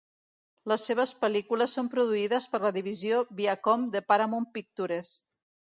Les seves pel·lícules son produïdes per la divisió Viacom de Paramount Pictures.